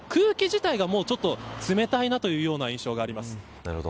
ただ空気自体が冷たいなという印象があります。